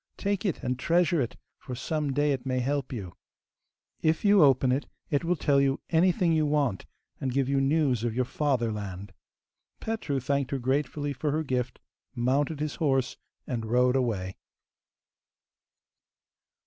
Take it, and treasure it, for some day it may help you. If you open it, it will tell you anything you want, and give you news of your fatherland.' Petru thanked her gratefully for her gift, mounted his horse, and rode away.